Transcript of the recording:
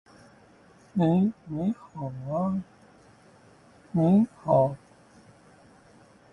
These pieces blended reality with fantasy, humor with commentary, history with the present.